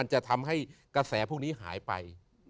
จะทำให้กระแสพวกนี้หายไป